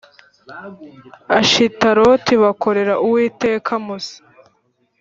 Ashitaroti bakorera Uwiteka musa